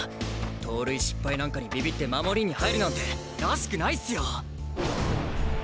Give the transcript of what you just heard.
盗塁失敗なんかにびびって守りに入るなんてらしくないっすよ。